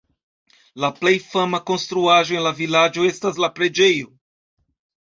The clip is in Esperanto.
La plej fama konstruaĵo en la vilaĝo estas la preĝejo.